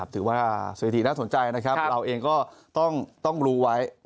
ถือว่าสวิทธินักสนใจเราเองก็ต้องรู้ไว้